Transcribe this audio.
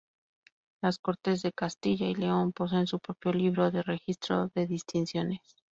Las Cortes de Castilla y León poseen su propio libro de registro de distinciones.